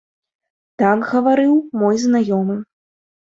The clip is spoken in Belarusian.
Так гаварыў мой знаёмы.